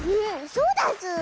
そうだズー！